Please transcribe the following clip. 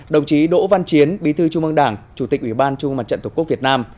đồng chí đỗ văn chiến bí thư trung ương đảng chủ tịch ủy ban trung ương mặt trận tổ quốc việt nam